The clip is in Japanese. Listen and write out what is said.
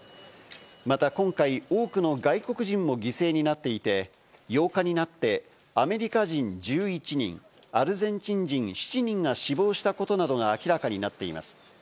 また今回、多くの外国人も犠牲になっていて、８日になってアメリカ人１１人、アルゼンチン人７人が死亡したことなどが明らかになっています。